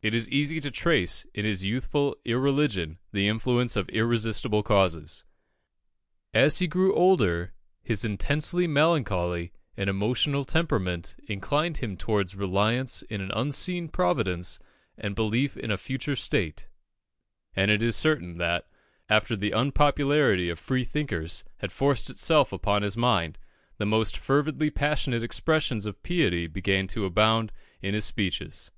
It is easy to trace in his youthful irreligion the influence of irresistible causes. As he grew older, his intensely melancholy and emotional temperament inclined him towards reliance in an unseen Providence and belief in a future state; and it is certain that, after the unpopularity of freethinkers had forced itself upon his mind, the most fervidly passionate expressions of piety began to abound in his speeches.